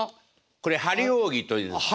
これ張り扇というんです。